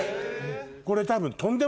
これ多分。